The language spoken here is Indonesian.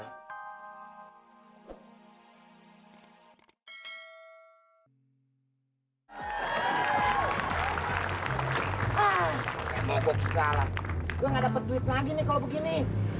ah ah ah enggak buat segala gue nggak dapet duit lagi nih kalau begini